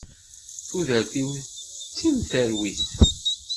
Tudert-iw d timterwit.